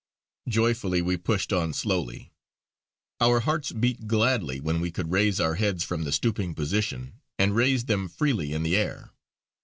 Joyfully we pushed on slowly; our hearts beat gladly when we could raise our heads from the stooping position and raise them freely in the air.